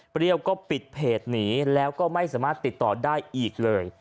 เรียวก็ปิดเพจหนีแล้วก็ไม่สามารถติดต่อได้อีกเลย